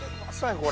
これ。